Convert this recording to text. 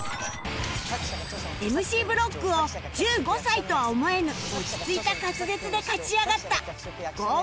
ＭＣ ブロックを１５歳とは思えぬ落ち着いた滑舌で勝ち上がった Ｇｏ！